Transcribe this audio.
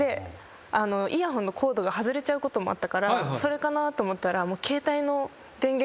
イヤホンのコードが外れちゃうこともあったからそれかなと思ったら。